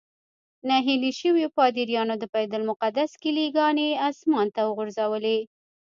نهیلي شویو پادریانو د بیت المقدس کیلي ګانې اسمان ته وغورځولې.